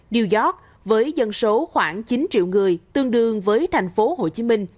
new york với dân số khoảng chín triệu người tương đương với thành phố hồ chí minh